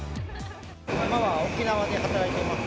今は沖縄で働いてます。